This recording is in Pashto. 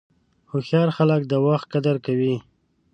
هوښیار خلک د وخت قدر کوي.